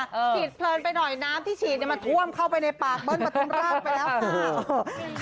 ฉีดเพลินไปหน่อยน้ำที่ฉีดมันท่วมเข้าไปในปากเบิ้ลประทุมราชไปแล้วค่ะ